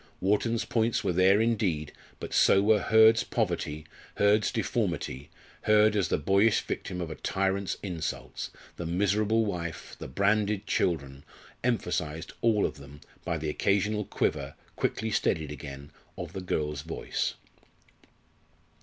Wharton's points were there indeed, but so were Hurd's poverty, Hurd's deformity, Hurd as the boyish victim of a tyrant's insults, the miserable wife, the branded children emphasised, all of them, by the occasional quiver, quickly steadied again, of the girl's voice.